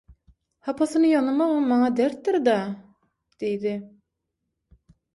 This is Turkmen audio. Hapasyny ýygnamagam maňa dertdir-dä" diýdi.